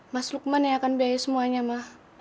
mas lukman yang akan biayai semuanya ma